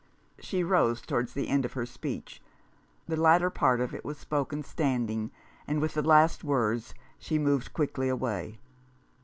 She rose towards the end of her speech. The latter part of it was spoken standing, and with the last words she moved quickly away.